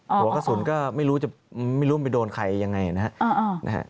หัวกระสุนก็ไม่รู้จะไม่รู้มันไปโดนใครยังไงนะครับ